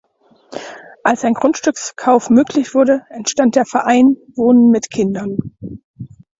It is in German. Als ein Grundstückskauf möglich wurde, entstand der "Verein Wohnen mit Kindern".